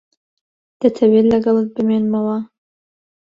دەتەوێت لەگەڵت بمێنمەوە؟